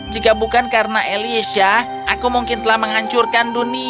jika bukan karena elisha aku mungkin telah menghancurkan dunia